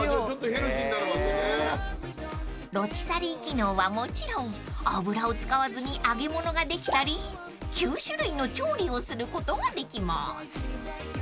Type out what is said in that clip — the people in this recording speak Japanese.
［ロティサリー機能はもちろん油を使わずに揚げ物ができたり９種類の調理をすることができます］